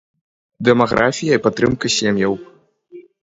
Дэмаграфія і падтрымка сем'яў.